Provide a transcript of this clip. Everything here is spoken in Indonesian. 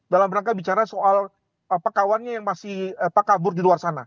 dalam rangka bicara soal kawannya yang masih kabur di luar sana